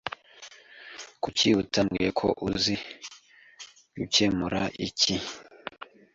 Kuki utambwiye ko uzi gukemura iki?